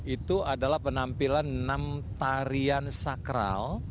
itu adalah penampilan enam tarian sakral